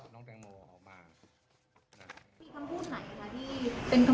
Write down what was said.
ของสภาธนาความอยู่แล้วนะคะ